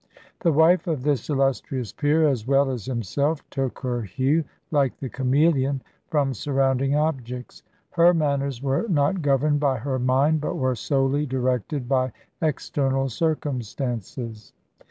The wife of this illustrious peer, as well as himself, took her hue, like the chameleon, from surrounding objects: her manners were not governed by her mind but were solely directed by external circumstances.